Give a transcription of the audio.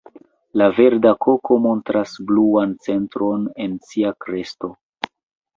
La Verda koko montras bluan centron en sia kresto.